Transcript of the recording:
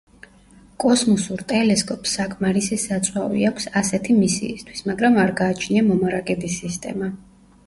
კოსმოსურ ტელესკოპს საკმარისი საწვავი აქვს ასეთი მისიისთვის, მაგრამ არ გააჩნია მომარაგების სისტემა.